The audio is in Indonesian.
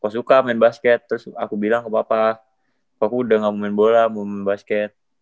aku suka main basket terus aku bilang ke bapak aku udah gak mau main bola mau main basket